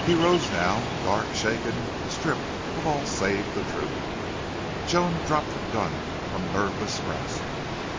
He rose now, dark, shaken, stripped of all save the truth. Joan dropped the gun from nerveless grasp.